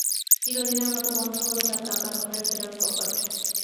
চিরদিনের মতো বন্ধ হল তার কাকার ঘরে ফেরার কপাট।